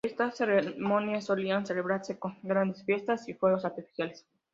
Estas ceremonias solían celebrarse con grandes fiestas y fuegos artificiales.